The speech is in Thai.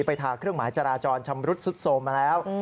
ทาเครื่องหมายจราจรชำรุดสุดโทรมมาแล้ว